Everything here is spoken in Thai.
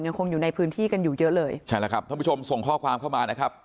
ยังคงอยู่ในพื้นที่กันอยู่เยอะเลยใช่แล้วครับท่านผู้ชมส่งข้อความเข้ามานะครับ